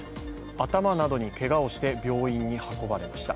頭などにけがをして病院に運ばれました。